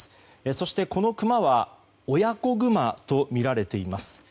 そして、このクマは親子グマとみられています。